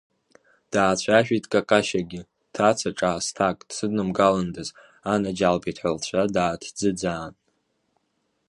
Даацәажәеит Какашьагьы, ҭаца ҿаасҭак дсыднамгаландаз анаџьалбеит ҳәа лцәа дааҭӡыӡааны.